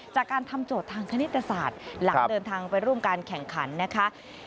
จากการทำโจทย์ทางคณิตศาสตร์หลังเดินทางไปร่วมการแข่งขันนะคะ